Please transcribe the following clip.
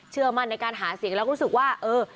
เชื่อมั่นในการหาเสียงแล้วก็รู้สึกว่าเออ